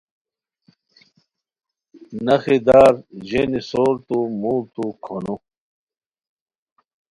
نخی دار ژینی سورتو موڑتو کھونو